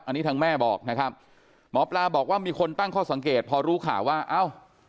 อันนี้ทางแม่บอกนะครับหมอปลาบอกว่ามีคนตั้งข้อสังเกตพอรู้ข่าวว่าเอ้า